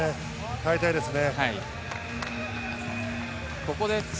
変えたいですね。